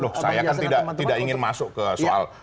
loh saya kan tidak ingin masuk ke soal